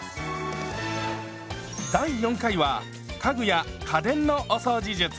第４回は家具や家電のお掃除術。